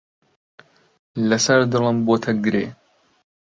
لەسەر دڵم بۆتە گرێ.